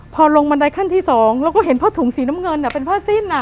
พอลงมันได้ขั้นที่สองแล้วก็เห็นพ่อถุงสีน้ำเงินน่ะเป็นพ่อสิ้นน่ะ